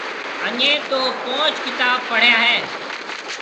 اَڃي تو پونچ ڪتاب پڙيا هيَ۔